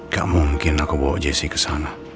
gak mungkin aku bawa jessi ke sana